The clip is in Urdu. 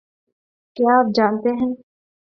کیا آپ جانتے ہیں